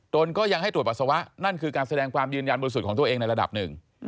ก็ยังให้ตรวจปัสสาวะนั่นคือการแสดงความยืนยันบริสุทธิ์ของตัวเองในระดับหนึ่ง